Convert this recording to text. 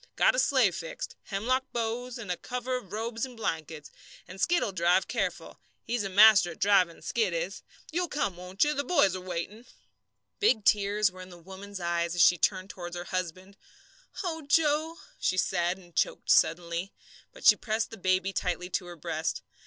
Got a sleigh fixed, hemlock boughs and a cover of robes and blankets, and Skid'll drive careful. He's a master at drivin', Skid is. You'll come, won't you? The boys are waitin'." Big tears were in the woman's eyes as she turned toward her husband. "Oh, Joe," she said, and choked suddenly; but she pressed the baby tightly to her breast.